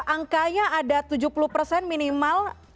angkanya ada tujuh puluh persen minimal